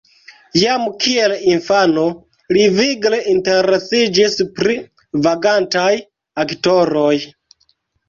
Jam kiel infano li vigle interesiĝis pri vagantaj aktoroj.